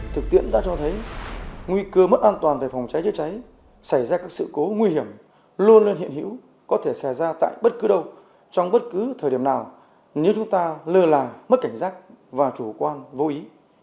thực tiễn đã cho thấy nguy cơ mất an toàn về phòng cháy chữa cháy xảy ra các sự cố nguy hiểm luôn luôn hiện hữu có thể xảy ra tại bất cứ đâu trong bất cứ thời điểm nào nếu chúng ta lơ là mất cảnh giác và chủ quan vô ý